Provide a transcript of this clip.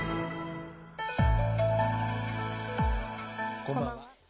こんばんは。